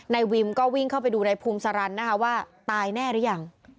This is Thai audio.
นายวิมก็วิ่งเข้าไปดูนายพุมสรรนว่าตายแน่หรือยัง